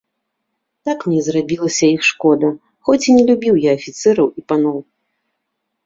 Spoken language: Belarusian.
Так мне зрабілася іх шкода, хоць і не любіў я афіцэраў і паноў.